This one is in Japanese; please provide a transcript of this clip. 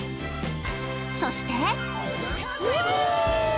そして。